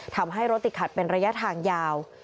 ทำให้รถติดขัดเป็นระยะทางยาว